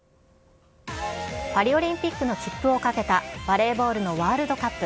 パリオリンピックの切符をかけたバレーボールのワールドカップ。